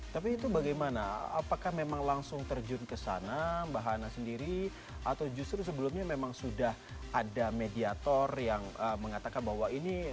tapi itu bagaimana apakah memang langsung terjun ke sana mbak hana sendiri atau justru sebelumnya memang sudah ada mediator yang mengatakan bahwa ini